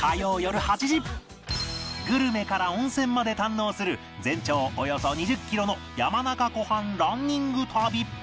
グルメから温泉まで堪能する全長およそ２０キロの山中湖畔ランニング旅